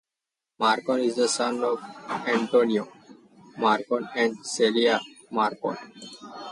Marcon is the son of Antonio Marcon and Celia Marcon.